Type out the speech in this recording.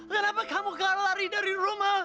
kenapa kamu gak lari dari rumah